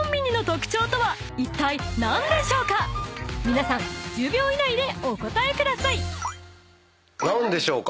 ［皆さん１０秒以内でお答えください］何でしょうか？